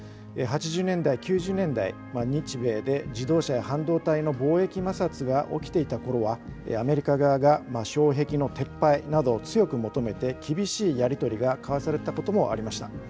８０年代、９０年代、日米で自動車や半導体の貿易摩擦が起きていたころはアメリカ側が障壁の撤廃などを強く求めて厳しいやり取りが交わされたこともありました。